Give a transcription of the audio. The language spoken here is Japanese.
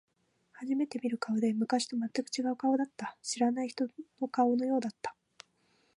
初めて見る顔で、昔と全く違う顔だった。知らない人の顔のようだった。